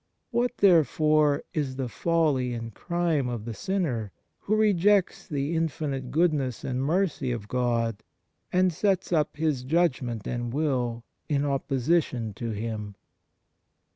What therefore is the folly and crime of the sinner, who rejects the infinite good ness and mercy of God and sets up his judgment and will in opposition to Him